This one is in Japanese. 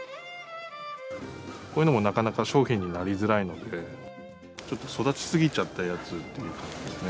こういうのもなかなか商品になりづらいので、ちょっと育ち過ぎちゃったやつっていう感じですね。